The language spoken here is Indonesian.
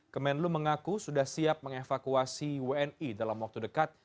kemenlu mengaku sudah siap mengevakuasi wni dalam waktu dekat